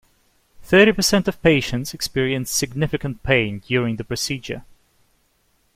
Thirty percent of patients experience significant pain during the procedure.